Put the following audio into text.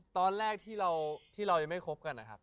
ตอนแรกที่เรายังไม่คบกันนะครับ